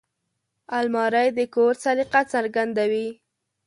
الماري د کور سلیقه څرګندوي